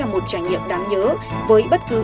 một trải nghiệm đáng nhớ với bất cứ